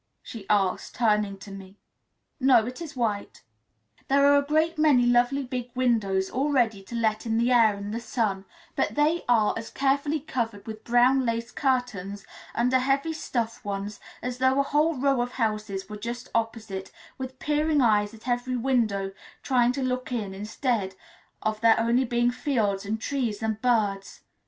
she asked, turning to me. "No, it is white." "There are a great many lovely big windows, all ready to let in the air and the sun, but they are as carefully covered with brown lace curtains under heavy stuff ones as though a whole row of houses were just opposite, with peering eyes at every window trying to look in, instead of there only being fields, and trees, and birds.